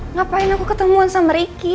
ngapain aku ketemuan sama ricky